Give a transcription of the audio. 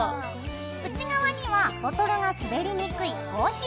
内側にはボトルが滑りにくい合皮を貼るよ。